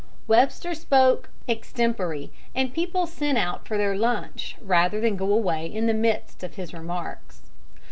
Webster spoke extempore, and people sent out for their lunch rather than go away in the midst of his remarks.